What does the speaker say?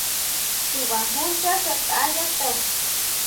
Chuba jon chasʼetʼa yá te.